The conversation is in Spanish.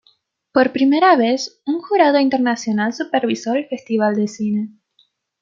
Por primera vez, un jurado internacional supervisó el festival de cine.